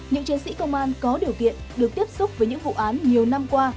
những chiến sĩ công an có điều kiện được tiếp xúc với những vụ án nhiều năm qua